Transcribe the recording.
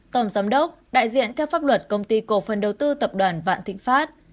tổng giám đốc đại diện theo pháp luật công ty cổ phần đầu tư tập đoàn vạn thịnh pháp